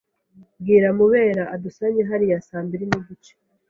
Bwira Mubera adusange hariya saa mbiri nigice.